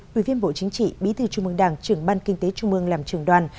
quy viên bộ chính trị bí thư trung mương đảng trưởng ban kinh tế trung mương làm trường đoàn